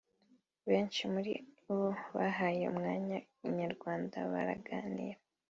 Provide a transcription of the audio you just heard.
Benshi muri bo bahaye umwanya Inyarwanda baraganira